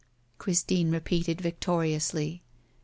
Christine repeated, victoriously.